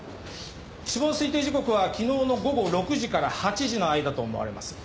死亡推定時刻は昨日の午後６時から８時の間と思われます。